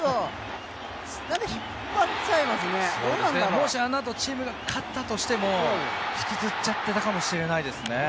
もしあのあとチームが勝ったとしても引きずっちゃってたかもしれないですね。